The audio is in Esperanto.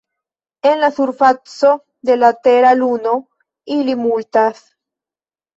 En la surfaco de la Tera Luno ili multas.